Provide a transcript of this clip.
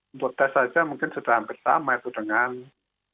untuk tes saja mungkin sudah hampir sama itu dengan